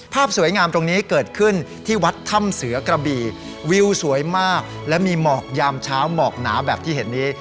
ภาพสวยงามตรงนี้เกิดขึ้นที่วัดถ้ำเสือกระบี่วิวสวยมากและมีหมอกยามเช้าหมอกหนาแบบที่เห็นนี้